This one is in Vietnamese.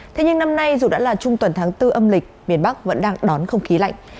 thế nhưng năm nay dù đã là trung tuần tháng bốn âm lịch miền bắc vẫn đang đón không khí lạnh